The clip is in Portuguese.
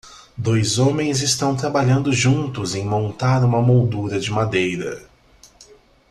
Dois homens estão trabalhando juntos em montar uma moldura de madeira.